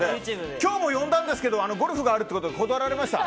今日も呼んだんですけどゴルフがあるということで断られました。